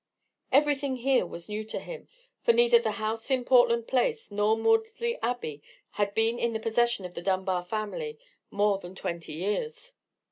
Everything here was new to him: for neither the house in Portland Place, nor Maudesley Abbey, had been in the possession of the Dunbar family more than twenty years.